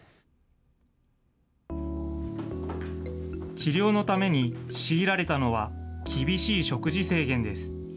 治療のために強いられたのは厳しい食事制限です。